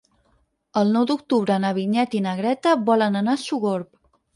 El nou d'octubre na Vinyet i na Greta volen anar a Sogorb.